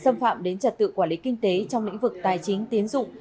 xâm phạm đến trật tự quản lý kinh tế trong lĩnh vực tài chính tiến dụng